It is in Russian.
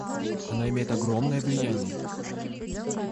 Она имеет огромное влияние.